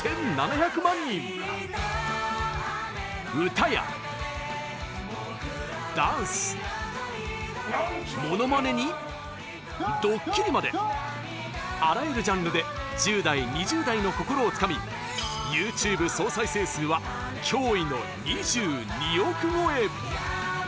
歌やダンスモノマネにドッキリまであらゆるジャンルで１０代２０代の心をつかみＹｏｕＴｕｂｅ総再生数は驚異の２２億超え！